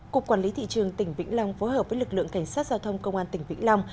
cục quản lý thị trường tỉnh vĩnh long phối hợp với lực lượng cảnh sát giao thông công an tỉnh vĩnh long